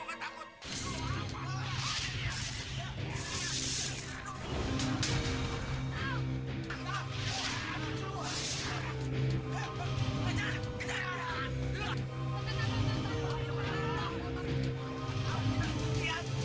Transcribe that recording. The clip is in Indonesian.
sekampung pasti gue gak takut